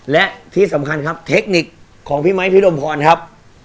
และที่สำคัญครับเทคนิคของพี่ไมค์พี่รมพรครับ